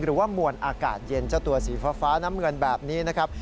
หรือว่ามวลอากาศเย็นเจ้าตัวสีฟ้าน้ำเงินแบบนี้นะครับ